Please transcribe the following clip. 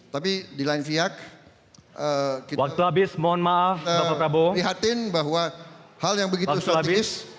tapi di lain pihak kita prihatin bahwa hal yang begitu strategis